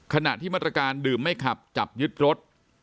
ขณะที่มาตรการดื่มไม่ขับจับยึดรถ